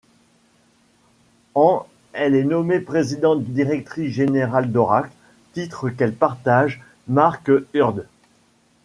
En elle est nommée présidente directrice générale d'Oracle, titre qu'elle partage Mark Hurd.